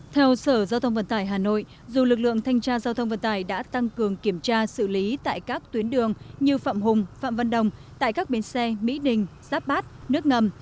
theo sở giao thông vận tải hà nội dù lực lượng thanh tra giao thông vận tải đã tăng cường kiểm tra xử lý tại các tuyến đường như phạm hùng phạm văn đồng tại các bến xe mỹ đình giáp bát nước ngầm